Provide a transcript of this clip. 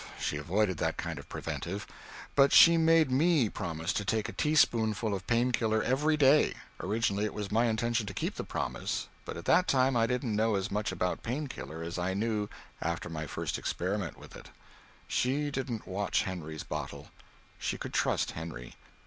She avoided that kind of preventive. But she made me promise to take a teaspoonful of Pain Killer every day. Originally it was my intention to keep the promise, but at that time I didn't know as much about Pain Killer as I knew after my first experiment with it. She didn't watch Henry's bottle she could trust Henry.